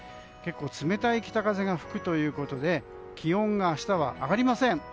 結構冷たい北風が吹くということで気温が明日は上がりません。